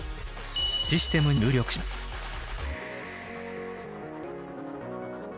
システムに入力します。